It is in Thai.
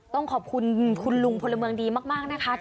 ต้องขอบคุณคุณลุงพลเมืองดีมากนะคะ